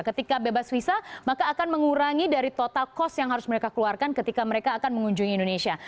ketika bebas visa maka akan mengurangi dari total cost yang harus mereka keluarkan ketika mereka akan mengunjungi indonesia